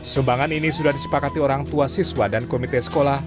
sumbangan ini sudah disepakati orang tua siswa dan komite sekolah